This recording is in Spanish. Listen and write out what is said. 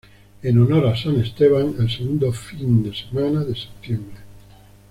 En honor a San Esteban, el segundo fin de semana de septiembre.